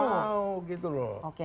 tidak mau gitu loh